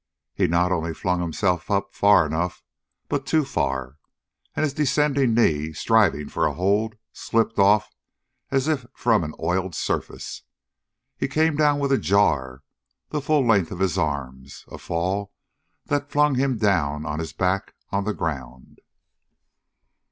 He not only flung himself far enough up, but too far, and his descending knee, striving for a hold, slipped off as if from an oiled surface. He came down with a jar, the full length of his arms, a fall that flung him down on his back on the ground.